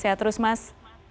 sehat terus mas